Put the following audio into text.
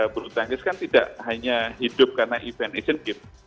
berutangis kan tidak hanya hidup karena event asian game